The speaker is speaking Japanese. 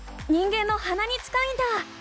人間のはなに近いんだ！